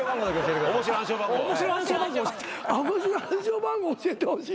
「面白暗証番号教えてほしい」